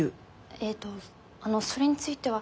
えっとそれについては。